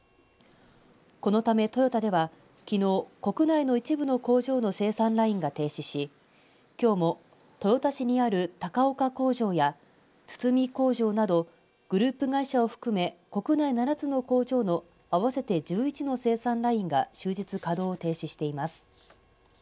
このためトヨタではきのう国内の一部の工場の生産ラインが停止しきょうも豊田市にある高岡工場や堤工場などグループ会社を含め国内７つの工場の合わせて１１の生産ラインが終日稼働を停止しています。